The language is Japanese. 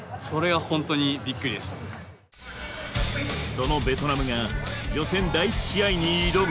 そのベトナムが予選第１試合に挑む。